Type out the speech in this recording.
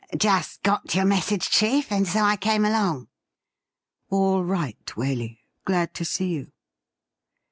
' Just got your message, chief, and so I came along.' ' All right, Waley ; glad to see you.'